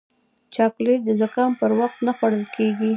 چاکلېټ د زکام پر وخت نه خوړل کېږي.